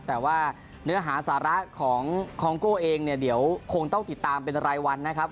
แต่ว่าเนื้อหาสาระของคองโก้เองเนี่ยเดี๋ยวคงต้องติดตามเป็นรายวันนะครับ